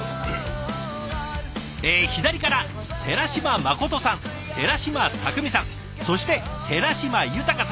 え左から寺島心さん寺島匠さんそして寺島優さん。